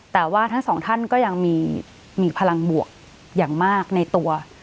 แต่ว่าทั้งสองท่านก็ยังมีพลังบวกอย่างมากในตัว